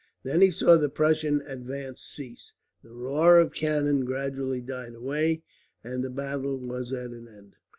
Then he saw the Prussian advance cease, the roar of cannon gradually died away, and the battle was at an end.